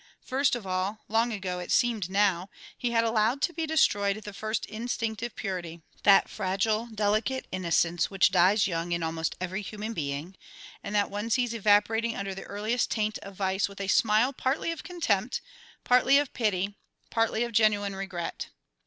First of all, long ago it seemed now, he had allowed to be destroyed that first instinctive purity, that fragile, delicate innocence which dies young in almost every human being, and that one sees evaporating under the earliest taint of vice with a smile partly of contempt, partly of pity, partly of genuine regret.